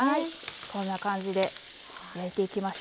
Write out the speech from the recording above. こんな感じで焼いていきましょうか。